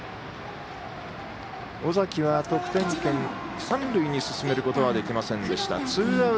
尾崎は得点圏、三塁に進めることはできませんでした。